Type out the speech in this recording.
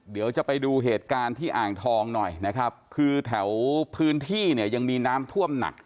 เดี๋ยวจะไปดูเหตุการณ์ที่อ่างทองหน่อยนะครับคือแถวพื้นที่เนี่ยยังมีน้ำท่วมหนัก